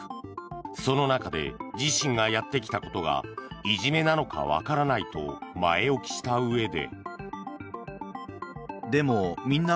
その中で自身がやってきたことがいじめなのかわからないと前置きしたうえで。